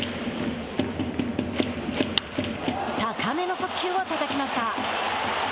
高めの速球をたたきました。